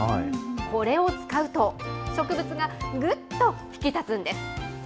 これを使うと、植物がぐっと引き立つんです。